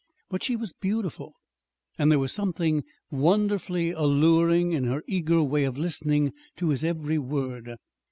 But she was beautiful, and there was something wonderfully alluring in her eager way of listening to his every word.